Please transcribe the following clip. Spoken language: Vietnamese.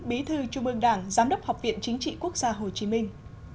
bí thư trung ương đảng giám đốc học viện chính trị quốc gia hồ chí minh